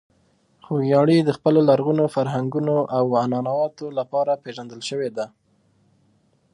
خوږیاڼي د خپلو لرغونو فرهنګونو او عنعناتو لپاره پېژندل شوې ده.